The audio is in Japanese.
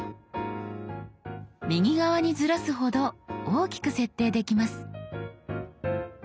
右側にずらすほど大きく設定できます。